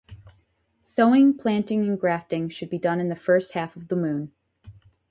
Sowing, planting, and grafting should be done in the first half of the moon.